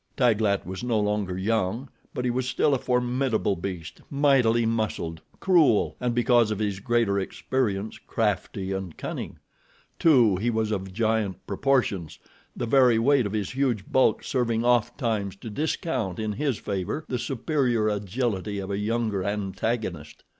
Taglat was no longer young; but he was still a formidable beast, mightily muscled, cruel, and, because of his greater experience, crafty and cunning. Too, he was of giant proportions, the very weight of his huge bulk serving ofttimes to discount in his favor the superior agility of a younger antagonist.